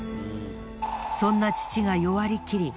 そんな父が弱り切り